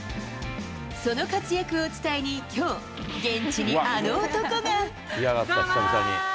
その活躍を伝えにきょう、現地にどうもー！